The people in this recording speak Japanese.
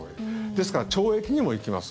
ですから、懲役にも行きます。